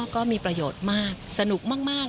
ก็มีประโยชน์มากสนุกมาก